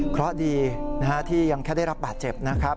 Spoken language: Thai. เพราะดีที่ยังแค่ได้รับบาดเจ็บนะครับ